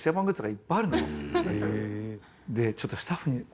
ちょっとスタッフに。